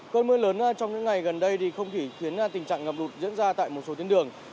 cơn mưa lớn trong những ngày gần đây thì không chỉ khiến tình trạng ngập lụt diễn ra tại một số tuyến đường